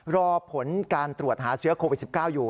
รอผลการตรวจหาเชื้อโควิด๑๙อยู่